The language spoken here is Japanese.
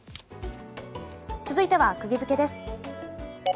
続いてはクギヅケです。